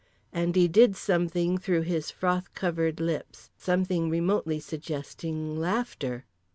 And he did something through his froth covered lips, something remotely suggesting laughter.